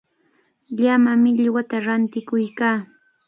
Llama millwata rantikuykaa.